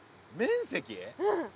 うん。